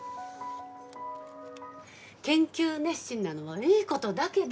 研究熱心なのはいいことだけど。